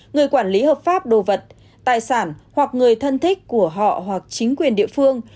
người quản lý hợp pháp đồ vật tài sản hoặc người thân thích của họ hoặc chính quyền địa phương